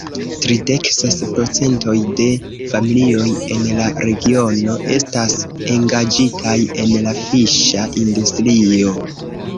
Tridek ses procentoj de familioj en la regiono estas engaĝitaj en la fiŝa industrio.